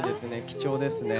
貴重ですね。